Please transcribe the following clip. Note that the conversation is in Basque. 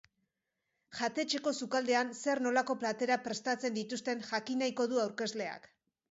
Jatetxeko sukaldean zer-nolako platerak prestatzen dituzten jakin nahiko du aurkezleak.